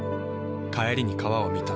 帰りに川を見た。